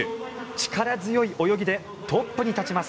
力強い泳ぎでトップに立ちます。